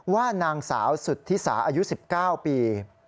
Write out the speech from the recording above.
ว่านางสาวสุธิสาอายุ๑๙ปี